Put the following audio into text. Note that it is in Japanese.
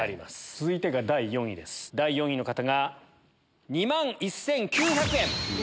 続いてが第４位です第４位の方が２万１９００円。